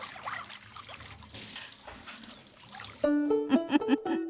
ウフフフ。